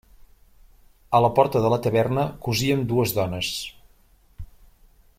A la porta de la taverna cosien dues dones.